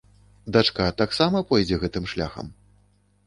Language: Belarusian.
Дачка таксама пойдзе гэтым шляхам?